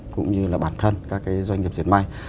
cũng như là bản thân các doanh nghiệp diệt may